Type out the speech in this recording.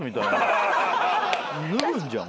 脱ぐんじゃん？